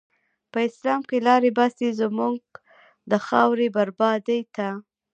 په اسلام کی لاری باسی، زموږ د خاوری بربادی ته